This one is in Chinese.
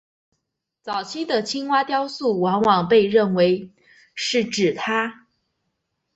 早期的青蛙雕像往往被认为就是指她。